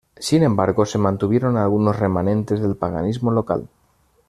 Sin embargo, se mantuvieron algunos remanentes del paganismo local.